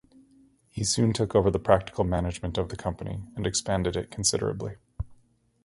He soon took over the practical management of the company, and expanded it considerably.